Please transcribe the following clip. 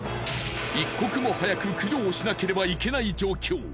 一刻も早く駆除をしなければいけない状況。